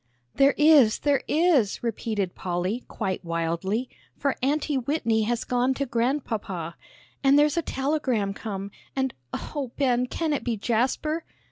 "There is, there is," repeated Polly, quite wildly, "for Aunty Whitney has gone to Grandpapa. And there's a telegram come, and, oh, Ben, can it be Jasper?"